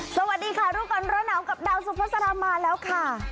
สวัสดีค่ะรูปกรณ์โรน้ำกับดาวสุภาษามาแล้วค่ะ